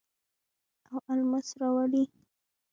او الماس راوړي